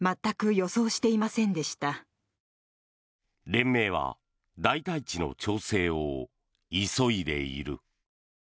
連盟は代替地の調整を急いでいる。